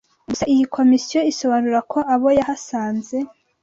Gusa iyi komisiyo isobanura ko abo yahasanze